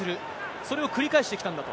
それを繰り返してきたんだと。